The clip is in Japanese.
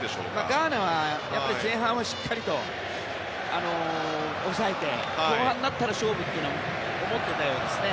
ガーナは前半をしっかりと抑えて後半になったら勝負とは思ってたようですね。